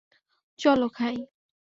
চলো, খাই।